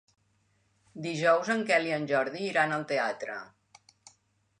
Dijous en Quel i en Jordi iran al teatre.